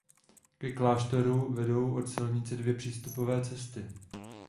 Ke klášteru vedou od silnice dvě přístupové cesty.